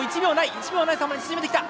１秒ない差まで縮めてきた！